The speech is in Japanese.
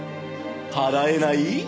払えない？